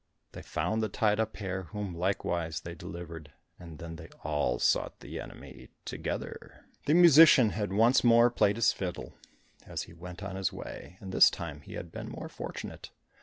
They found the tied up hare, whom likewise they delivered, and then they all sought the enemy together. The musician had once more played his fiddle as he went on his way, and this time he had been more fortunate.